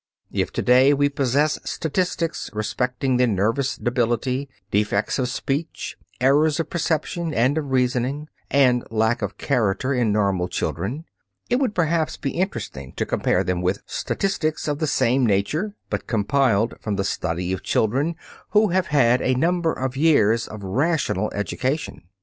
If to day we possessed statistics respecting the nervous debility, defects of speech, errors of perception and of reasoning, and lack of character in normal children, it would perhaps be interesting to compare them with statistics of the same nature, but compiled from the study of children who have had a number of years of rational education.